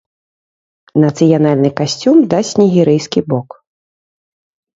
Нацыянальны касцюм дасць нігерыйскі бок.